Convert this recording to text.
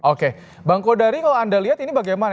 oke bang kodari kalau anda lihat ini bagaimana